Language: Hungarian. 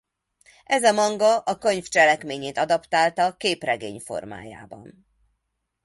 Ez a manga a könyv cselekményét adaptálta képregény formájában.